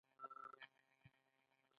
د غزني غزې ډیرې دي